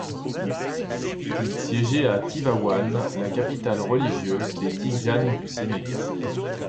Il siégeait à Tivaouane, la capitale religieuse des Tidjanes du Sénégal.